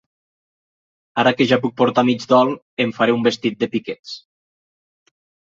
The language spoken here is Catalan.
Ara que ja puc portar mig dol, em faré un vestit de piquets.